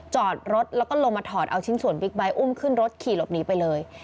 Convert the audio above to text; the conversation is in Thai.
จอดรถแล้วก็ลงมาถอดเอาชิ้นส่วนบิ๊กไบท์อุ้มขึ้นรถขี่หลบหนีไปเลย